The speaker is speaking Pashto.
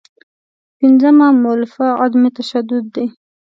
پنځمه مولفه عدم تشدد دی.